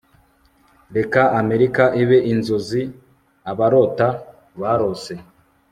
reka amerika ibe inzozi abarota barose-